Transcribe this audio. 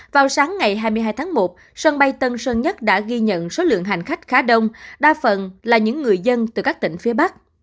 vào sáng ngày hai mươi hai tháng một sân bay tân sơn nhất đã ghi nhận số lượng hành khách khá đông đa phần là những người dân từ các tỉnh phía bắc